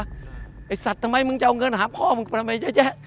ไอ้สัตว์ทำไมมึงจะเอาเงินหาพ่อมึงทำไมเยอะแยะ